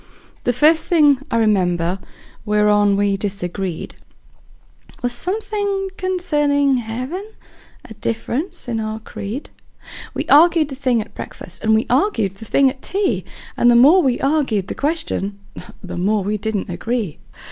The first thing I remember whereon we disagreed Was something concerning heaven a difference in our creed; We arg'ed the thing at breakfast, we arg'ed the thing at tea, And the more we arg'ed the question the more we didn't agree.